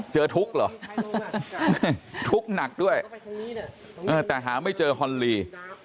ทุกข์เหรอทุกข์หนักด้วยแต่หาไม่เจอฮอนลี